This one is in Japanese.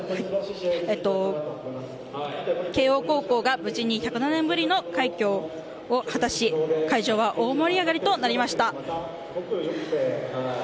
慶應高校が無事１０７年ぶりの快挙を果たし会場は大盛り上がりとなりました。